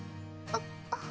あっ。